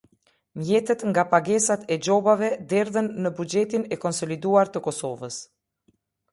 Mjetet nga pagesat e gjobave derdhen në Buxhetin e Konsoliduar të Kosovës.